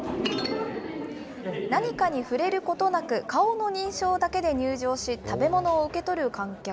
何かに触れることなく、顔の認証だけで入場し、食べ物を受け取る観客。